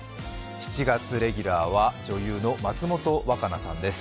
７月レギュラーは女優の松本若菜さんです。